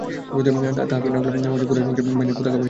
তালহা bin Abu Talha Quraish বাহিনীর পতাকাবাহী।